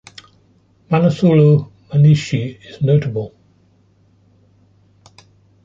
Manasulo Manishi' is notable.